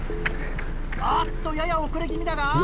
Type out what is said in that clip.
あっとやや遅れ気味だが。